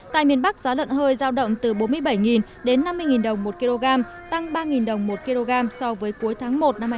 tại miền bắc giá lợn hơi giao động từ bốn mươi bảy đến năm mươi đồng một kg tăng ba đồng một kg so với cuối tháng một năm hai nghìn hai mươi ba